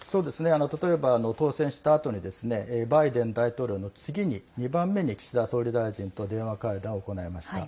例えば、当選したあとにバイデン大統領の次に２番目に岸田総理大臣と電話会談を行いました。